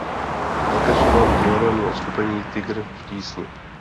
Je také členem divadelního uskupení "Tygr v tísni".